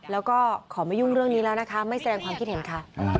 แล้วก็ขอไม่ยุ่งเรื่องนี้แล้วนะคะไม่แสดงความคิดเห็นค่ะ